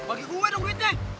bagi gue dong duitnya